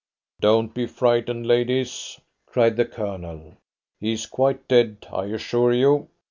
"Don't be frightened, ladies," cried the Colonel. "He is quite dead, I assure you.